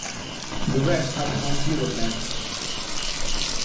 The Reds had the home field advantage.